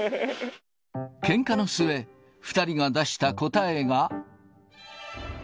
けんかの末、２人が出した答えが。